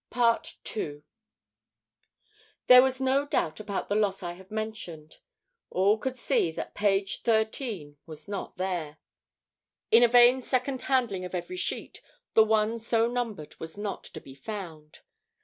II There was no doubt about the loss I have mentioned; all could see that page 13 was not there. In vain a second handling of every sheet, the one so numbered was not to be found.